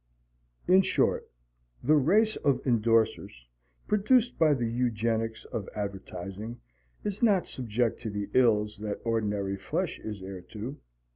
's. In short, the race of endorsers, produced by the eugenics of advertising, is not subject to the ills that ordinary flesh is heir to.